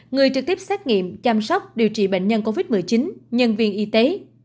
người trực tiếp xét nghiệm chăm sóc điều trị bệnh nhân covid một mươi chín nhân viên y tế